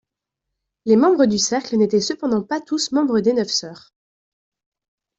Les membres du cercle n'étaient cependant pas tous membres des Neuf Sœurs.